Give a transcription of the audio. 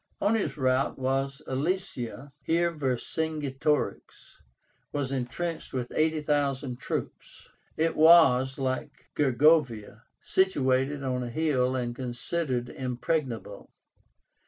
On his route was ALESIA. Here Vercingetorix was intrenched with eighty thousand troops. It was, like Gergovia, situated on a hill and considered impregnable.